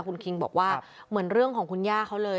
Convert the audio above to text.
คุณคิงบอกว่าเหมือนเรื่องของคุณย่าเขาเลย